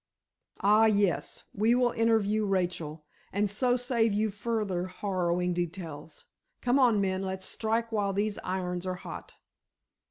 "Ah, yes; we will interview Rachel, and so save you further harrowing details. Come on, men, let's strike while these irons are hot."